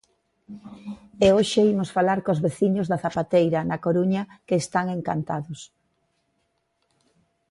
E hoxe imos falar cos veciños da Zapateira, na Coruña, que están encantados.